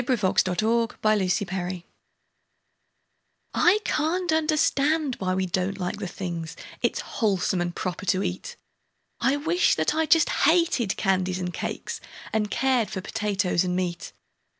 Edgar Fawcett A Sad Case I CAN'T understand why we don't like the things It's wholesome and proper to eat; I wish that I just hated candies and cakes, And cared for potatoes and meat.